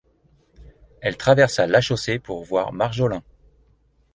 Elle traversa la chaussée pour voir Marjolin.